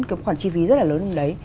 khoảng chi phí rất là lớn trong đấy